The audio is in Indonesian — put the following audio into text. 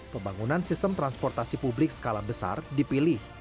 pembangunan sistem transportasi publik skala besar dipilih